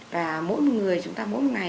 và mỗi một người chúng ta mỗi một ngày